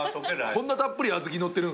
こんなたっぷり小豆のってるんすか。